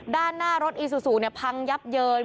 ด้านหน้ารถอีซูซูพังยับเยิน